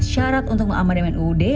syarat untuk mengamandemen uud